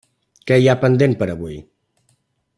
Què hi ha pendent per a avui?